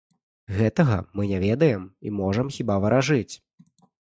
Гэтага мы не ведаем, і можам, хіба, варажыць.